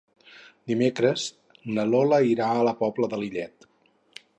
Dimecres na Lola irà a la Pobla de Lillet.